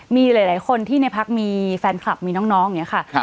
มีหลายคนที่ในพักมีแฟนคลับมีน้องอย่างนี้ค่ะ